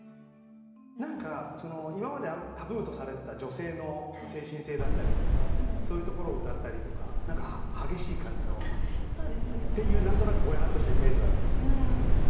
何か今までタブーとされてた女性の精神性だったりそういうところをうたったりとか何か激しい感じのっていう何となくぼやっとしたイメージはあります。